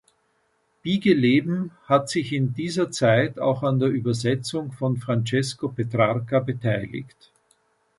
Biegeleben hat sich in dieser Zeit auch an der Übersetzung von Francesco Petrarca beteiligt.